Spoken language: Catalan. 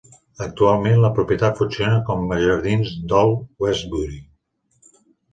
Actualment, la propietat funciona com a jardins d'Old Westbury.